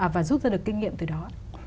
và giúp ra được kinh nghiệm từ đó